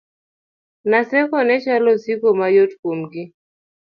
Naseko nechalo osiko mayot kuomgi